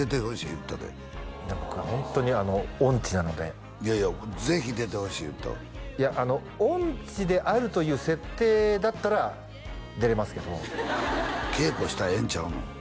言うてたで僕はホントに音痴なのでいやいやぜひ出てほしい言うてたわ音痴であるという設定だったら出れますけど稽古したらええんちゃうの？